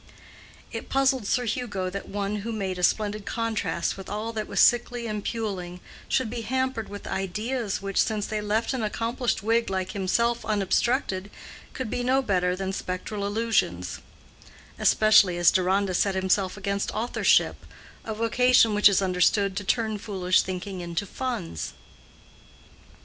It puzzled Sir Hugo that one who made a splendid contrast with all that was sickly and puling should be hampered with ideas which, since they left an accomplished Whig like himself unobstructed, could be no better than spectral illusions; especially as Deronda set himself against authorship—a vocation which is understood to turn foolish thinking into funds.